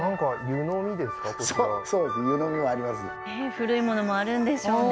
古いものもあるんでしょうね